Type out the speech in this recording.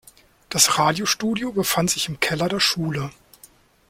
Das Radiostudio befand sich im Keller der Schule.